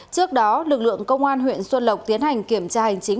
trước đó lực lượng công an huyện xuân lộc tiến hành kiểm tra hành chính